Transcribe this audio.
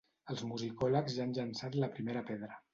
Els musicòlegs ja han llençat la primera pedra.